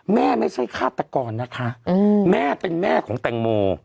ไม่ใช่ฆาตกรนะคะแม่เป็นแม่ของแตงโม